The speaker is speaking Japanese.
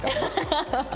ハハハハ！